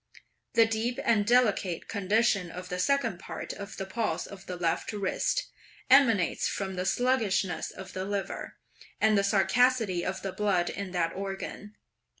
The deep and delicate condition of the second part of the pulse of the left wrist, emanates from the sluggishness of the liver, and the scarcity of the blood in that organ.